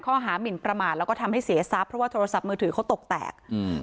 หมินประมาทแล้วก็ทำให้เสียทรัพย์เพราะว่าโทรศัพท์มือถือเขาตกแตกอืม